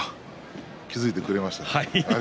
気付いてくれましたか。